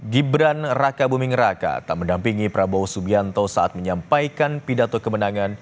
gibran raka buming raka tak mendampingi prabowo subianto saat menyampaikan pidato kemenangan